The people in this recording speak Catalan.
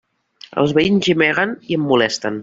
Els veïns gemeguen i em molesten.